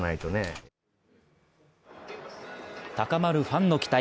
高まるファンの期待。